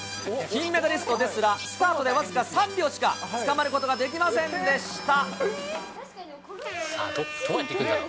金メダリストですが、スタートで僅か３秒しかつかまることができませんでした。